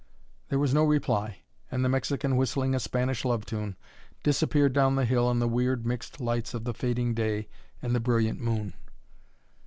There was no reply, and the Mexican, whistling a Spanish love tune, disappeared down the hill in the weird mixed lights of the fading day and the brilliant moon.